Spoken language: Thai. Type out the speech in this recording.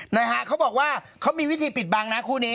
นะฮะเขาบอกว่าเขามีวิธีปิดบังนะคู่นี้